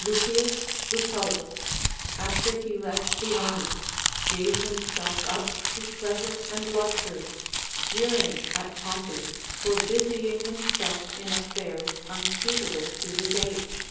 L. Lucullus, after he left the army, gave himself up to pleasure and luxury, jeering at Pompey for busying himself in affairs unsuitable to his age.